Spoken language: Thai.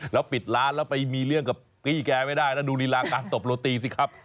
แล้วปิดร้านแล้วไปมีเรื่องกับพี่แกไม่ได้แล้วดูลีลาการตบโรตีสิครับ